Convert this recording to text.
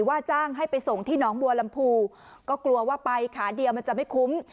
ว่าจ้างให้ไปส่งที่น้องบัวลำพูก็กลัวว่าไปขาเดียวมันจะไม่คุ้ม